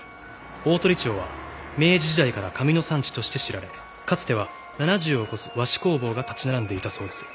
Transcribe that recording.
大鳥町は明治時代から紙の産地として知られかつては７０を超す和紙工房が立ち並んでいたそうです。